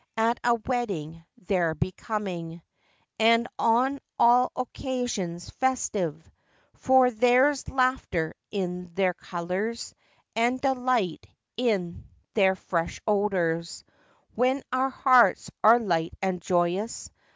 At a wedding they 're becoming, And on all occasions festive; Tor there's laughter in their colors, And delight in their fresh odors, When our hearts are light and joyous.